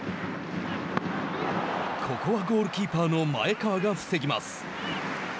ここはゴールキーパーの前川が防ぎます。